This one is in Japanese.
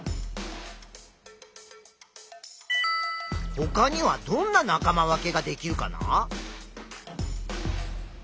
ほかにはどんな仲間分けができるかな？